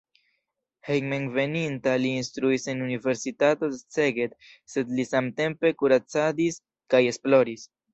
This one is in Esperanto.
Hejmenveninta li instruis en universitato de Szeged, sed li samtempe kuracadis kaj esploris.